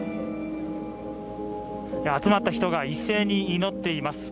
集まった人が一斉に祈っています。